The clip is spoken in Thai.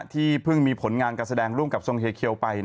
ที่เพิ่งมีผลงานการแสดงร่วมกับทรงเฮเคียวไป